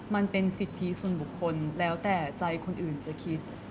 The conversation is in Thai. มันเป็นสิทธิส่วนบุคคลแล้วแต่ใจคนอื่นจะคิด